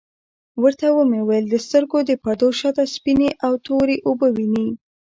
ورته ومي ویل د سترګو د پردو شاته سپیني او توری اوبه وینې ؟